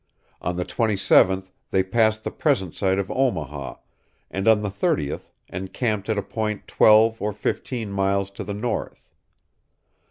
On the 27th they passed the present site of Omaha; and on the 30th encamped at a point twelve or fifteen miles to the north.